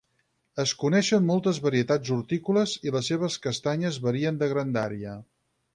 Es coneixen moltes varietats hortícoles i les seves castanyes varien de grandària.